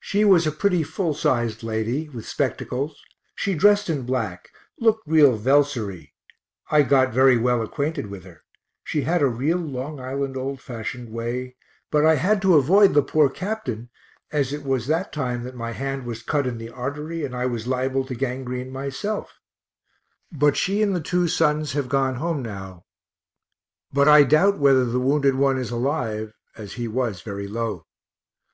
She was a pretty full sized lady, with spectacles; she dressed in black looked real Velsory. I got very well acquainted with her; she had a real Long Island old fashioned way but I had to avoid the poor captain, as it was that time that my hand was cut in the artery, and I was liable to gangrene myself but she and the two sons have gone home now, but I doubt whether the wounded one is alive, as he was very low.